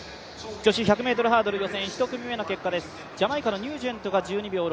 女子１００ｍハードル予選１組目の結果です。